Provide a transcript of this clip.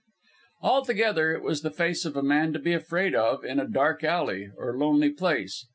Altogether, it was the face of a man to be afraid of in a dark alley or lonely place.